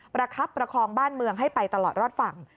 ประคับประคองบ้านเมืองให้ไปตลอดรอดฝั่ง